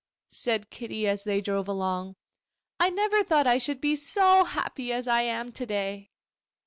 said Kitty, as they drove along. 'I never thought I should be so happy as I am to day.